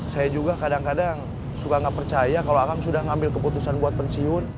saya juga kadang kadang suka nggak percaya kalau akan sudah ngambil keputusan buat pensiun